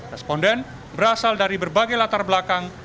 responden berasal dari berbagai latar belakang